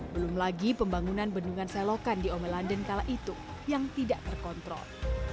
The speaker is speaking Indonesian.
belum lagi pembangunan bendungan selokan di omel london kala itu yang tidak terkontrol